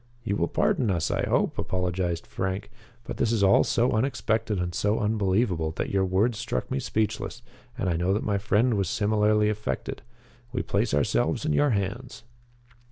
"You will pardon us, I hope," apologized Frank, "but this is all so unexpected and so unbelievable that your words struck me speechless. And I know that my friend was similarly affected We place ourselves in your hands."